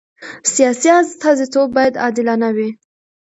سیاسي استازیتوب باید عادلانه وي